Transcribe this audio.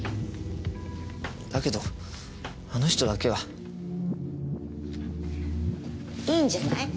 だけどあの人だけは。いいんじゃない？